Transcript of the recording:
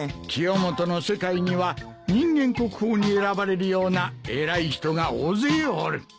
清元の世界には人間国宝に選ばれるような偉い人が大勢おる。